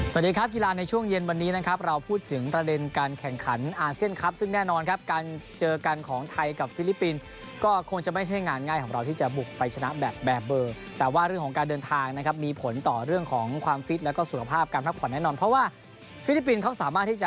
สวัสดีครับกีฬาในช่วงเย็นวันนี้นะครับเราพูดถึงประเด็นการแข่งขันอาเซียนครับซึ่งแน่นอนครับการเจอกันของไทยกับฟิลิปปินส์ก็คงจะไม่ใช่งานง่ายของเราที่จะบุกไปชนะแบบแบบเบอร์แต่ว่าเรื่องของการเดินทางนะครับมีผลต่อเรื่องของความฟิตแล้วก็สุขภาพการพักผ่อนแน่นอนเพราะว่าฟิลิปปินส์เขาสามารถที่จะ